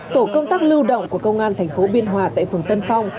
tổ công tác lưu động của công an thành phố biên hòa tại phường tân phong